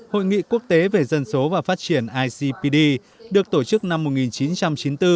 hội nghị quốc tế về dân số và phát triển icpd được tổ chức năm một nghìn chín trăm chín mươi bốn